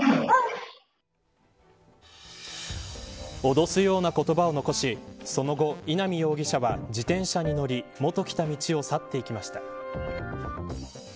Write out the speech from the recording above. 脅すような言葉を残しその後、稲見容疑者は自転車に乗り元来た道を去っていきました。